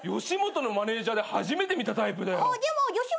吉本のマネージャーで初めて見たタイプだよ。